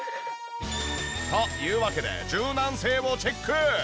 というわけで柔軟性をチェック！